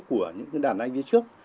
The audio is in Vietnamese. của những đàn anh đi trước